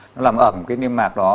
nó làm ẩm cái niêm mạc đó